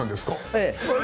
ええ。